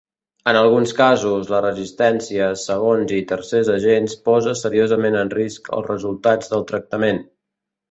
En alguns casos, la resistència a segons i tercers agents posa seriosament en risc els resultats del tractament.